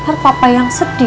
ntar papa yang sedih